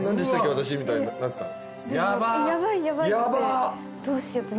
私」みたいになってたん？